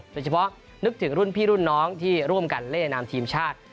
นึกถึงรุ่นพี่รุ่นน้องที่ร่วมกันเล่นามทีมชาติ